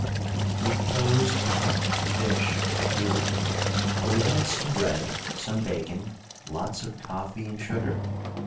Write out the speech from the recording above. We proposed to hunt and fish, for food. But we had some bread, some bacon, lots of coffee and sugar.